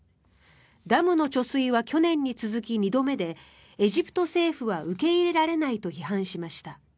ダムの貯水は去年に続き２度目でエジプト政府は受け入れられないと批判しました。